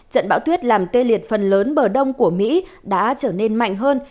trận bão tuyết làm tê liệt phần lớn bờ đông của mỹ đã trở nên mạnh hơn